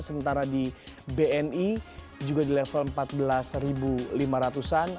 sementara di bni juga di level empat belas lima ratus an